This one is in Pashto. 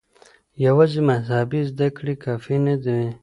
يوازې مذهبي زده کړې کافي نه دي.